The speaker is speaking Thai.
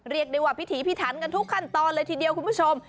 เรียกได้ว่าพิถีพิถันกันทุกขั้นตอนเลยทีเดียวคุณผู้ชม